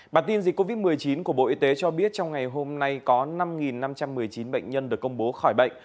bản tin dịch covid một mươi chín của bộ y tế cho biết trong ngày hôm nay có năm năm trăm một mươi chín bệnh nhân được công bố khỏi bệnh